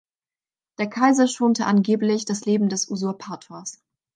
Der Kaiser schonte angeblich das Leben des Usurpators.